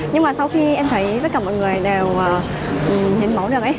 nhưng mà sau khi em thấy tất cả mọi người đều hiến máu được ấy